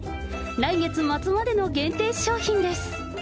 来月末までの限定商品です。